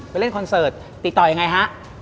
เล่นคอนเสิร์ตติดต่อยังไงฮะ